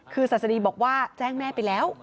คือศาสดีบอกว่าแจ้งแม่ไปแล้ว